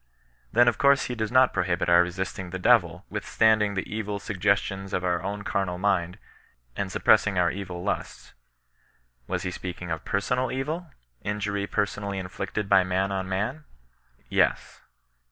Then of course he does not prohibit our resisting the i^vily mtiistundiog tlio eril taggiBiio^jM \i oitt own carnal mind, and suppressing our evil lusts. Was he speaking of personal evil, injury personally inflicted by man on man ? Yes.